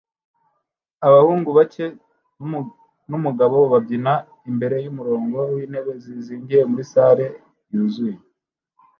Abahungu bake numugabo babyina imbere yumurongo wintebe zizingiye muri salle yuzuye